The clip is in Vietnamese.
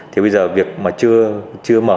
thì bây giờ việc mà chưa mở